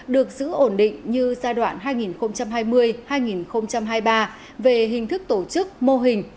được giữ ổn định như giai đoạn hai nghìn hai mươi hai nghìn hai mươi ba về hình thức tổ chức mô hình